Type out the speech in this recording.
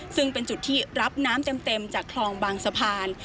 ซึ่งเป็นจุดที่รับน้ำเต็มจากคลองบางสะพาน